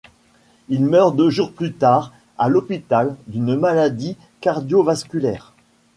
Il meurt deux jours plus tard à l'hôpital d'une maladie cardio-vasculaire.